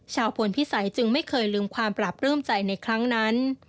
พลพิสัยจึงไม่เคยลืมความปราบปลื้มใจในครั้งนั้น